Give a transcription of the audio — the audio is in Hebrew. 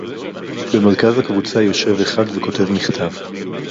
בְּמֶרְכָּז הַקְבוּצָה יוֹשֵב אַחַד וְכוֹתֵב מִכְתָב.